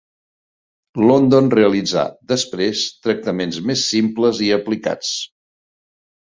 London realitzà, després, tractaments més simples i aplicats.